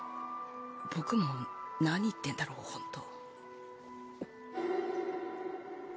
僕もなに言ってんだろホント。